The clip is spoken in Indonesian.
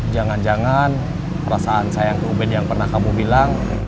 jangan jangan perasaan saya yang ubed yang pernah kamu bilang